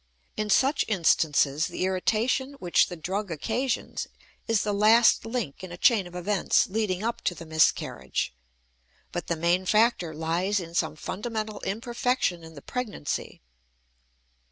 In such instances the irritation which the drug occasions is the last link in a chain of events leading up to the miscarriage, but the main factor lies in some fundamental imperfection in the pregnancy.